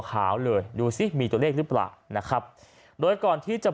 ขาวเลยดูสิมีตัวเลขหรือเปล่านะครับโดยก่อนที่จะ